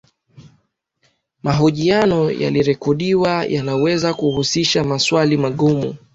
mahojiano yaliyorekodiwa yanaweza kuhusisha maswali magumu